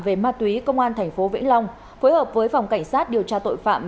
về ma túy công an tp vĩnh long phối hợp với phòng cảnh sát điều tra tội phạm